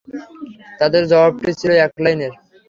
তাদের জবাবটি ছিল এক লাইনের।